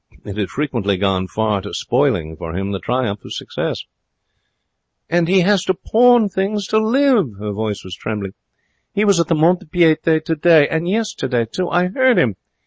It had frequently gone far to spoiling for him the triumph of success. 'And he has to pawn things to live!' Her voice trembled. 'He was at the mont de piete today. And yesterday too. I heard him.